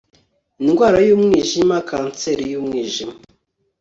indwara yumwijima kanseri yumwijima